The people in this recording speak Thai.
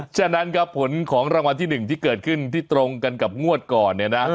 ฉะนั้นครับผลของรางวัลที่๑ที่เกิดขึ้นที่ตรงกันกับงวดก่อนเนี่ยนะ